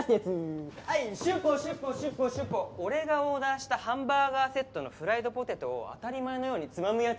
俺がオーダーしたハンバーガーセットのフライドポテトを当たり前のようにつまむ奴。